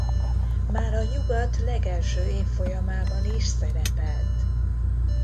Már a Nyugat legelső évfolyamában is szerepelt.